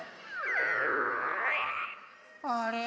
・あれ？